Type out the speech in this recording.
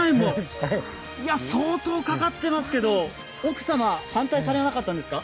相当かかっていますけど、奥様、反対しなかったんですか？